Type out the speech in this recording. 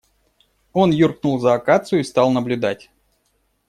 Он юркнул за акацию и стал наблюдать.